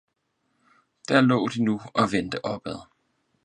Der laae de nu og vendte opad!